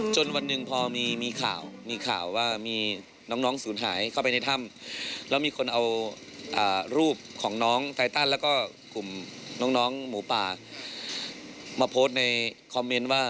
จนคือวันนึงพ่อมีข่าวเช่นน้องสูญหายเข้าไปในถ้ำแล้วเอารูปของน้องไตตันและหน้างงงหมูป่ามาโพสในคอมเมนว่า